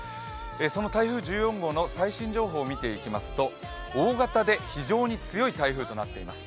その台風１４号の最新情報を見ていきますと大型で非常に強い台風となっています。